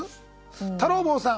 太郎坊さん。